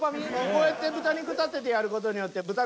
こうやって豚肉立ててやる事によってはははっ。